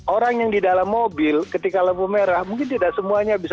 orang yang di dalam mobil ketika lampu merah mungkin tidak semuanya bisa